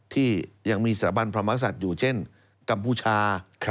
ที่ยังมีสถาบันพระมศัตริย์อยู่เช่นกัมพูชา